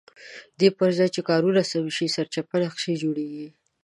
ددې پرځای چې کارونه سم شي سرچپه نقشې جوړېږي.